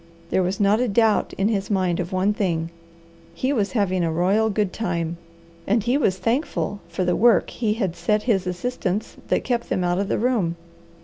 There was not a doubt in his mind of one thing. He was having a royal, good time, and he was thankful for the work he had set his assistants that kept them out of the room.